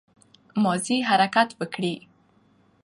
مازې حرکت وکړٸ